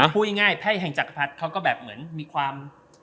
พูดง่ายไพ่แห่งจักรพรรดิเขาก็แบบเหมือนมีความ